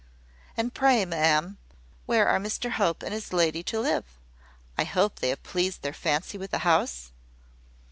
And pray, ma'am, where are Mr Hope and his lady to live? I hope they have pleased their fancy with a house?"